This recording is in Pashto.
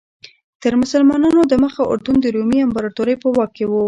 تر مسلمانانو دمخه اردن د رومي امپراتورۍ په واک کې و.